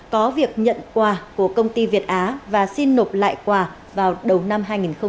có việc nhận quà của công ty việt á và xin nộp lại quà vào đầu năm hai nghìn hai mươi